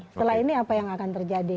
setelah ini apa yang akan terjadi